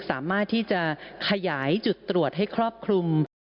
สามารถที่จะขยายจุดตรวจให้ครอบคลุม